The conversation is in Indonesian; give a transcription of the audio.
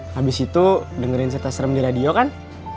habis itu dengerin serta serem di radio kan